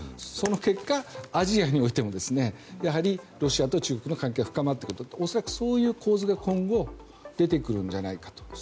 その結果、アジアにおいてもやはりロシアと中国の関係は深まってくると恐らくそういう構図が今後出てくるんじゃないかと。